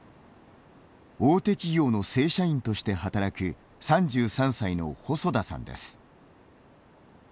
大手企業の正社員として働く３３歳の細田さんです。